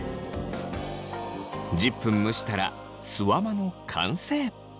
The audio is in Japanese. １０分蒸したらすわまの完成。